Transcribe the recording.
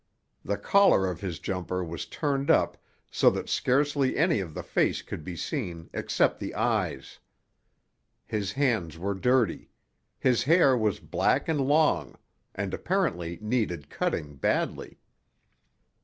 The collar of his jumper was turned up so that scarcely any of the face could be seen except the eyes. His hands were dirty; his hair was black and long, and apparently needed cutting badly.